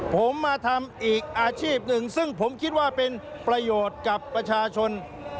ผมมาทำอีกอาชีพหนึ่งซึ่งผมคิดว่าเป็นประโยชน์กับประชาชน